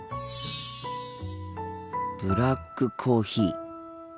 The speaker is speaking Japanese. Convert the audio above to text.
ブラックコーヒー。